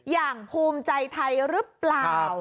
อย่างภูมิใจไทยหรือเปล่า